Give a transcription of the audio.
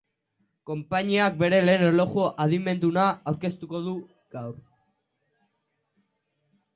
Konpainiak bere lehen erloju adimenduna aurkeztuko du gaur.